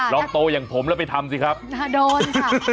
รอโตอย่างผมแล้วไปทำสิครับโดนครับ